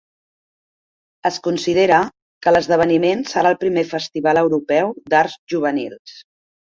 Es considera que l'esdeveniment serà el primer festival europeu d'arts juvenils.